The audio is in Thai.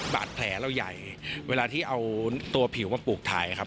บาดแผลเราใหญ่เวลาที่เอาตัวผิวมาปลูกถ่ายครับ